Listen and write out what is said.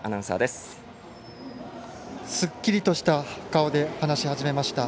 すっきりとした顔で話し始めました。